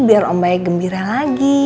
biar om baik gembira lagi